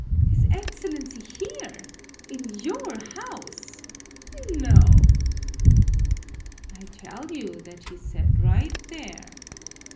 His Excellency here! In your house? No!" "I tell you that he sat right there.